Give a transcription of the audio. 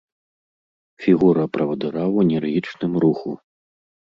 Фігура правадыра ў энергічным руху.